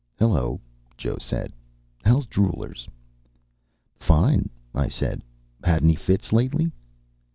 "Hello," Joe said. "How's droolers?" "Fine," I said. "Had any fits lately?"